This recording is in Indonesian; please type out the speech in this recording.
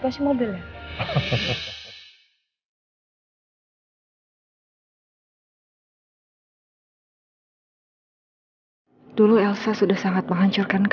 padahal aku kan gak bisa nyetir mobil